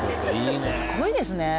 すごいですね。